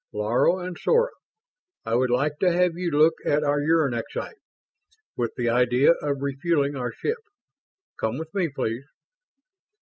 "Laro and Sora, I would like to have you look at our uranexite, with the idea of refueling our ship. Come with me, please?"